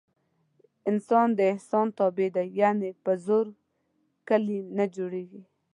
انسان د احسان تابع دی. یعنې په زور کلي نه جوړېږي.